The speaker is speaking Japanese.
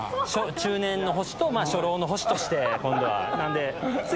中年の星と初老の星として今度は。